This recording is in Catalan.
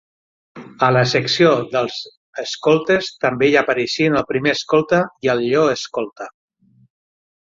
A la Secció dels Escoltes també hi apareixen el Primer Escolta i el Lleó Escolta.